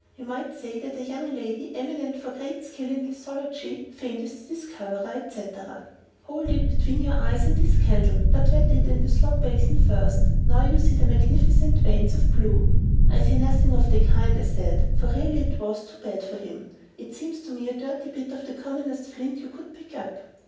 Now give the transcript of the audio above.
We might say that a 'young lady, eminent for great skill in lithology, famed as the discoverer,' etc. Hold it between your eyes and this candle, but wet it in the slop basin first; now you see the magnificent veins of blue." "I see nothing of the kind," I said; for really it was too bad of him. "It seems to me a dirty bit of the commonest flint you could pick up."